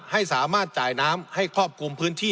ให้สามารถจ่ายน้ำให้ครอบคลุมพื้นที่